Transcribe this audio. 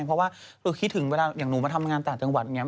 เพราะว่าคิดถึงเวลาอย่างหนูมาทำงานต่างจังหวัดอย่างนี้